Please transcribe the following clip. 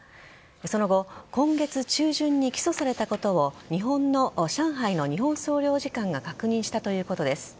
その後今月中旬に起訴されたことを上海の日本総領事館が確認したということです。